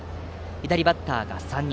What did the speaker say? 左バッターが３人。